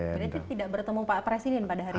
jadi tidak bertemu pak presiden pada hari jumat